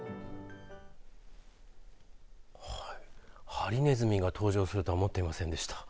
ハリネズミが登場するとは思っていませんでした。